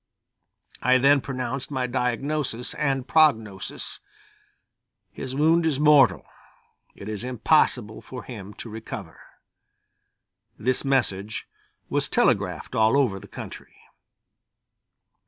I then pronounced my diagnosis and prognosis: "His wound is mortal; it is impossible for him to recover." This message was telegraphed all over the country.